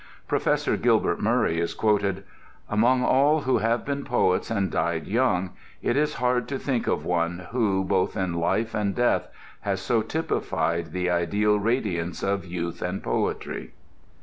Professor Gilbert Murray is quoted: "Among all who have been poets and died young, it is hard to think of one who, both in life and death, has so typified the ideal radiance of youth and poetry."